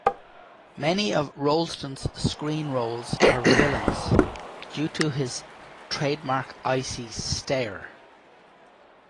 Many of Rolston's screen roles are villains due to his trademark icy stare.